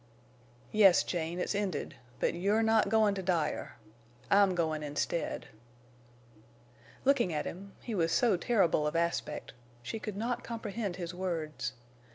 "Yes, Jane, it's ended—but you're not goin' to Dyer!... I'm goin' instead!" Looking at him—he was so terrible of aspect—she could not comprehend his words.